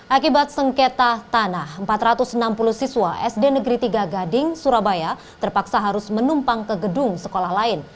akibat sengketa tanah empat ratus enam puluh siswa sd negeri tiga gading surabaya terpaksa harus menumpang ke gedung sekolah lain